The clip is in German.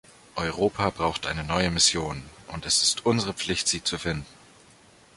Europa braucht eine neue Mission, und es ist unsere Pflicht, sie zu finden.